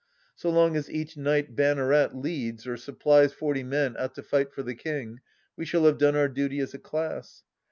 So long as each knight banneret leads or supplies forty men out to fight for the King we shall have done our duty as a class.